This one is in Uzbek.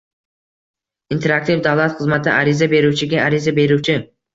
Interaktiv davlat xizmati ariza beruvchiga ariza beruvchi